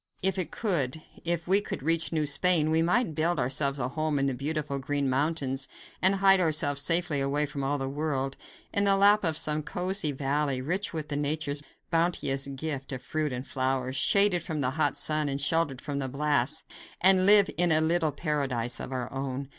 If it could if we could reach New Spain, we might build ourselves a home in the beautiful green mountains and hide ourselves safely away from all the world, in the lap of some cosy valley, rich with nature's bounteous gift of fruit and flowers, shaded from the hot sun and sheltered from the blasts, and live in a little paradise all our own.